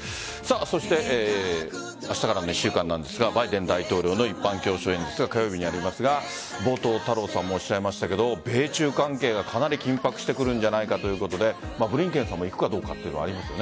そして明日からの１週間なんですがバイデン大統領の一般教書演説が火曜日にありますが冒頭太郎さんもおっしゃいました米中関係がかなり緊迫してくるんじゃないかということでブリンケンさんも行くかどうかというのはありますね。